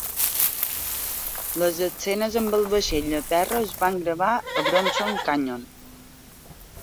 Les escenes amb el vaixell a terra es van gravar a Bronson Canyon.